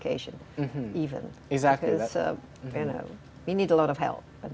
kami butuh banyak bantuan